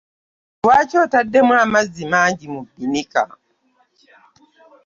Lwaki otademu amazzi mangi mu binika?